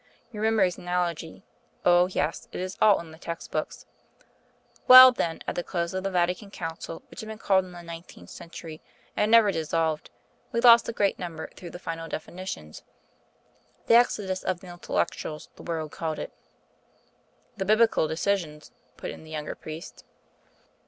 You remember his 'Analogy'? Oh, yes, it is all in the text books.... "Well, then, at the close of the Vatican Council, which had been called in the nineteenth century, and never dissolved, we lost a great number through the final definitions. The 'Exodus of the Intellectuals' the world called it " "The Biblical decisions," put in the younger priest.